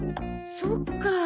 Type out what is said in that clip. そっか